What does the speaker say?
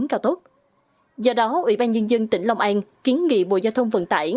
chính nghị bộ giao thông vận tải